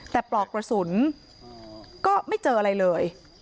แต่ปลอกกระสุนก็ไม่เจออะไรเลย